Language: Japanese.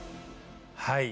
はい。